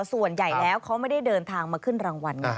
ส่วนใหญ่แล้วเขาไม่ได้เดินทางมาขึ้นรางวัลไง